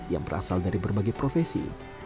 yang berasal dari berbagai profesi